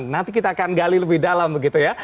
nanti kita akan gali lebih dalam begitu ya